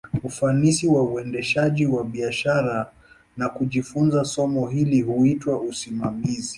Ufanisi wa uendeshaji wa biashara, na kujifunza somo hili, huitwa usimamizi.